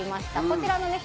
こちらのね